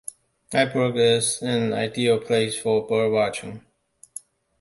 Eyebrook is an ideal place for bird watching.